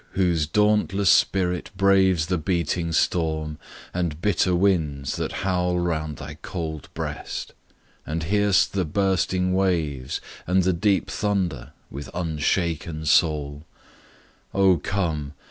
whose dauntless spirit braves The beating storm, and bitter winds that howl Round thy cold breast; and hear'st the bursting waves And the deep thunder with unshaken soul; Oh come!